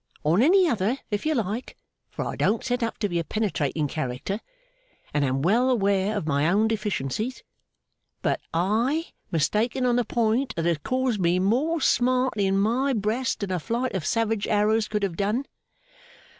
On any other, if you like, for I don't set up to be a penetrating character, and am well aware of my own deficiencies. But, I mistaken on a point that has caused me more smart in my breast than a flight of savages' arrows could have done!